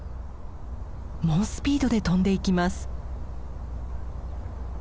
猛スピードで飛んでいきます。